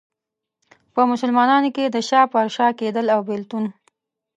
په مسلمانانو کې دا شا په شا کېدل او بېلتون.